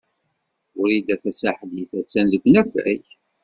Wrida Tasaḥlit a-tt-an deg unafag.